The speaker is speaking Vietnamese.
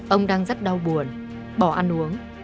ông đang rất đau buồn bỏ ăn uống